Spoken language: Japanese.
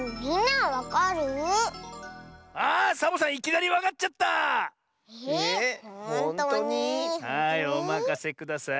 はいおまかせください。